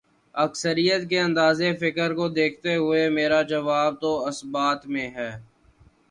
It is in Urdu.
اکثریت کے انداز فکر کو دیکھتے ہوئے، میرا جواب تو اثبات میں ہے۔